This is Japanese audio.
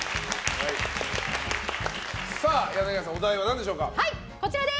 柳原さん、お題は何でしょうか。